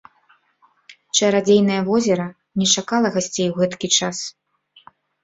Чарадзейнае возера не чакала гасцей ў гэткі час.